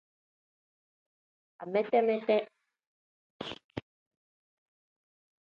Amete-mete.